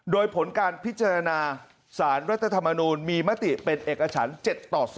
โดยผลการพิจารณาสารรัฐธรรมนูลมีมติเป็นเอกฉัน๗ต่อ๒